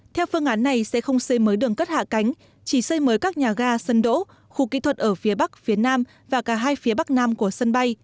theo phương án này sẽ không xây mới đường cất hạ cánh chỉ xây mới các nhà ga sân đỗ khu kỹ thuật ở phía bắc phía nam và cả hai phía bắc nam của sân bay